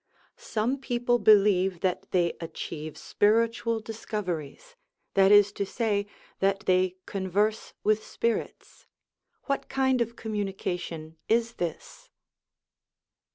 Some people believe that they achieve spiritual discoveries; that is to say, that they con verse with spirits. What kind of communion is this?